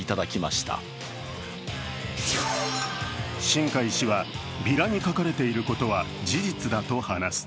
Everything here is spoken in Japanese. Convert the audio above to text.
新開氏はビラに書かれていることは事実だと話す。